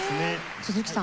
鈴木さん